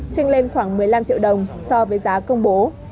tranh lên khoảng một mươi năm triệu đồng so với giá công bố